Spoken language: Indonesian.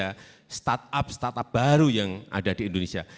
kita ingin agar tidak hanya ada startup startup baru yang ada di indonesia